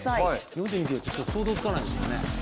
４２キロって想像がつかないですね。